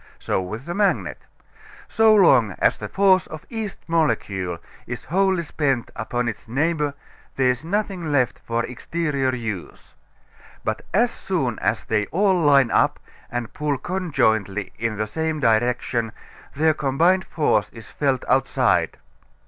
So with the magnet. So long as the force of each molecule is wholly spent upon its neighbor there is nothing left for exterior use. But as soon as they all line up and pull conjointly in the same direction their combined force is felt outside.